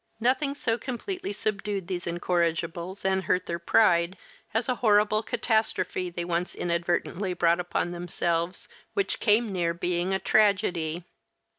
Nothing so completely subdued these incorrigibles and hurt their pride, as a horrible catastrophe they once inadvertently brought upon themselves, which came near being a tragedy.